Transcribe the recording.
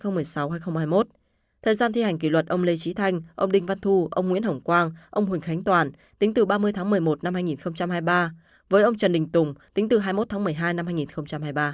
thời gian thi hành kỷ luật ông lê trí thanh ông đinh văn thu ông nguyễn hồng quang ông huỳnh khánh toàn tính từ ba mươi tháng một mươi một năm hai nghìn hai mươi ba với ông trần đình tùng tính từ hai mươi một tháng một mươi hai năm hai nghìn hai mươi ba